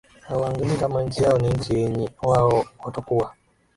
hawaangali kama nchi yao ni nchi yenye wao watakuwa